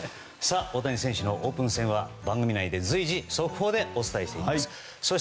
大谷選手のオープン戦は番組内で随時速報でお伝えします。